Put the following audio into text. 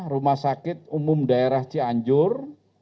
rumah sakit umum daerah cianjur